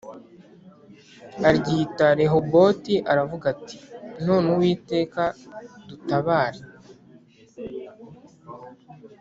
aryita Rehoboti aravuga ati None Uwiteka dutabare